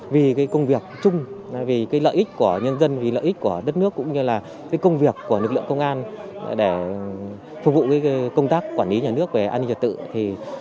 vì công việc chung vì lợi ích của nhân dân vì lợi ích của đất nước cũng như là công việc của lực lượng công an để phục vụ công tác quản lý nhà nước về an ninh trật tự